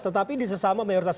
tetapi di sesama mayoritas